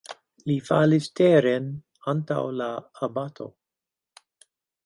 Li falis teren antaŭ la abato.